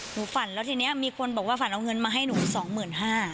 หนูฝันแล้วทีนี้มีคนบอกว่าฝันเอาเงินมาให้หนูสองหมื่นห้า